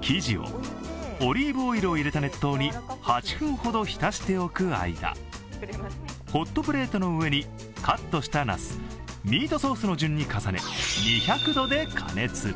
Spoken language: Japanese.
生地をオリーブオイルを入れた熱湯に８分ほど浸しておく間、ホットプレートの上にカットしたなす、ミートソースの順に重ね、２００度で加熱。